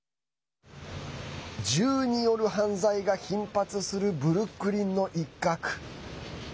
銃による犯罪が頻発するブルックリンの一角。